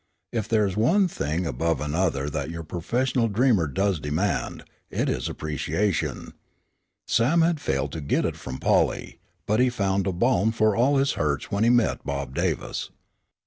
If there is one thing above another that your professional dreamer does demand, it is appreciation. Sam had failed to get it from Polly, but he found a balm for all his hurts when he met Bob Davis.